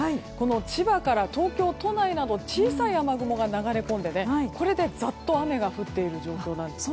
千葉から東京都内など小さい雨雲が流れ込んでこれでざっと雨が降っている状況です。